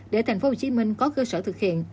để tp hcm có cơ sở thực hiện